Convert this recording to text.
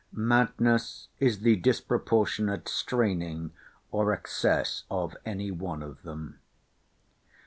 Madness is the disproportionate straining or excess of any one of them.